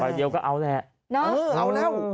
เดียวก็เอาแหละเอาแล้ว